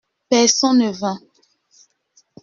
Personne ne vint.